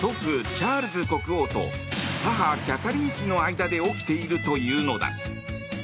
チャールズ国王と母キャサリン妃の間で起きているというのだ。